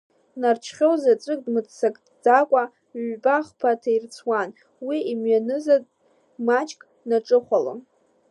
Нарџьхьоу заҵәык дмыццакӡыкәа ҩба-хԥа ҭаирцәуан, уи имҩанызаҩ маҷк днаҿыхәалон.